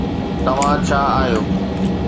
توهان ڇا آهيو؟